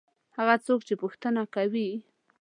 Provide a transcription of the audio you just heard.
هغه څوک چې پوښتنه کوي.